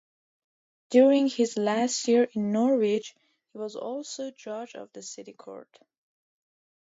During his last year in Norwich he was also Judge of the City Court.